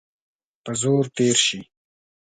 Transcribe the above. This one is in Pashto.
په زور تېر سي.